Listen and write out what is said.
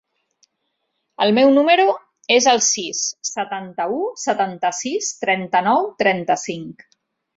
El meu número es el sis, setanta-u, setanta-sis, trenta-nou, trenta-cinc.